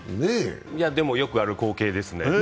いや、でもよくある光景ですね。